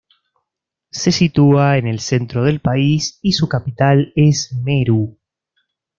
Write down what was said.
Se sitúa en el centro del país y su capital es Meru.